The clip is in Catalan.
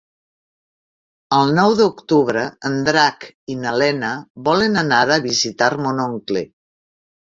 El nou d'octubre en Drac i na Lena volen anar a visitar mon oncle.